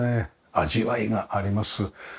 味わいがあります。